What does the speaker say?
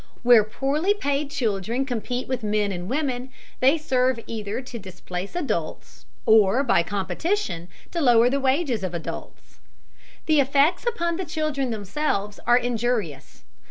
Where poorly paid children compete with men and women, they serve either to displace adults, or, by competition, to lower the wages of adults. The effects upon the children themselves are injurious.